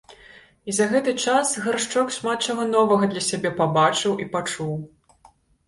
І за гэты час Гаршчок шмат чаго новага для сябе пабачыў і пачуў.